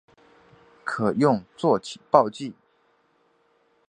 可用作起爆剂。